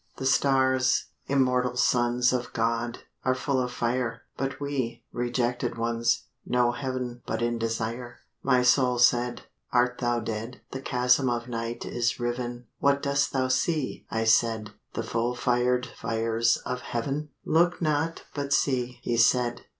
The Stars, immortal Sons Of God, are full of fire; But we, rejected ones, Know heav'n but in desire. My Soul said, 'Art thou dead? The chasm of night is riv'n; What dost thou see?' I said, 'The full fired fires of heav'n.' 'Look not but see,' he said.